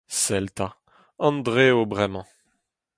Sell ‘ta, Andrev bremañ.